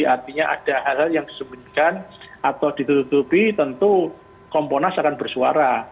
artinya ada hal hal yang disembunyikan atau ditutupi tentu komponas akan bersuara